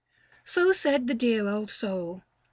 So said the dear old soul.